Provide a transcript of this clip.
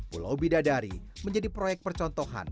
pulau bidadari menjadi proyek percontohan